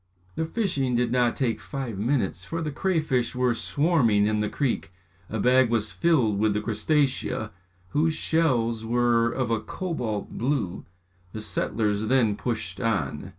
The fishing did not take five minutes for the crayfish were swarming in the creek. A bag was filled with the crustaceæ, whose shells were of a cobalt blue. The settlers then pushed on.